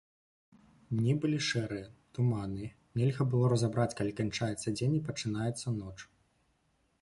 Дні былі шэрыя, туманныя, нельга было разабраць, калі канчаецца дзень і пачынаецца ноч.